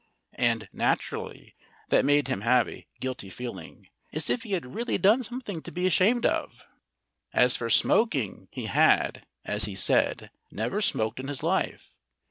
And, naturally, that made him have a guilty feeling, as if he had really done something to be ashamed of. As for smoking, he had (as he said) never smoked in his life.